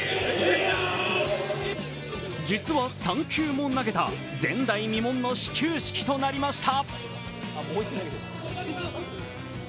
実は３球も投げた前代未聞の始球式となりました。